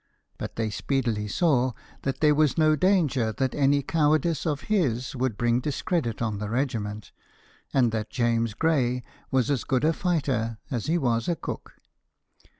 But they speedily saw that there was no danger that any cowardice of his would bring discredit on the regiment, and that 'James Gray' was as good a fighter as he was a cook.